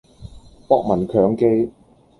博聞強記